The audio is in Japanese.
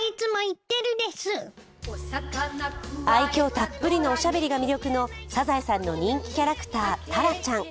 愛きょうたっぷりのおしゃべりが魅力の「サザエさん」の人気キャラクター、タラちゃん。